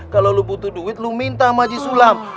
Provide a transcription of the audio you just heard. kalau lu butuh duit lu minta sama si sulam